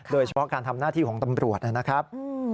โดยเฉพาะการทำหน้าที่ของตำรวจนะครับ